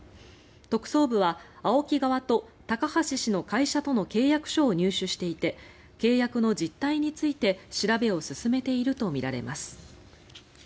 特捜部はＡＯＫＩ側と高橋氏の会社との契約書を入手していて契約の実態について調べを進めているとみられます。